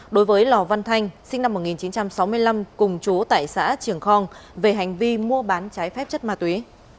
đối với lò văn thanh sinh năm một nghìn chín trăm sáu mươi năm cùng chú tại xã trường khong về hành vi mua bán trái phép chất ma túy